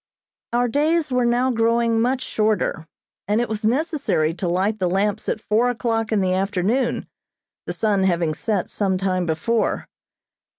Our days were now growing much shorter, and it was necessary to light the lamps at four o'clock in the afternoon, the sun having set some time before.